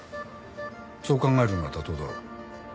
そう考えるのが妥当だろ？